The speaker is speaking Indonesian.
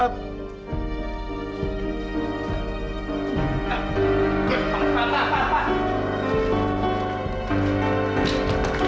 pak pak pak pak